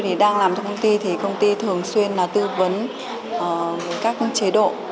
tôi đang làm cho công ty công ty thường xuyên tư vấn các chế độ